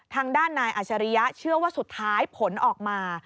ทางด้านนายอัชริยะเชื่อว่าสุดท้ายผลออกมา